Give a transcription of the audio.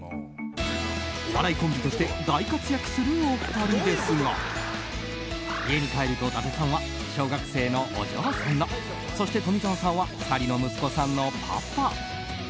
お笑いコンビとして大活躍するお二人ですが家に帰ると、伊達さんは小学生のお嬢さんのそして富澤さんは２人の息子さんのパパ。